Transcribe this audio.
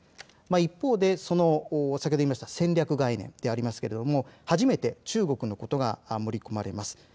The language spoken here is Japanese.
一方で、先ほど言いました戦略概念でありますけれども初めて中国のことが盛り込まれます。